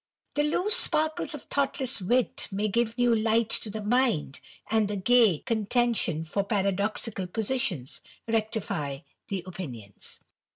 The loose sparkles of thoughtless wit may give new light to the mind, and the gay contention for paradoxical positions rectify the opinions.